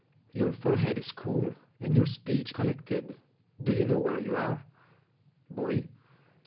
Your forehead is cool, and your speech collected. Do you know where you are? "Boy.